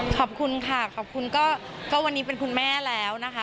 ขอบคุณค่ะขอบคุณก็วันนี้เป็นคุณแม่แล้วนะคะ